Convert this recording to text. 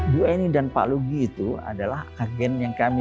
bu eni dan pak lugi itu adalah agen yang kami